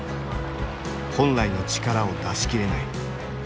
本来の力を出しきれない。